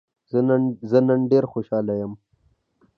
زه نن ډېر خوشحاله يم.